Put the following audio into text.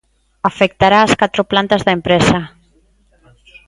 Afectará as catro plantas da empresa.